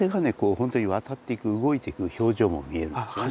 本当に渡っていく動いていく表情も見えるんですよね。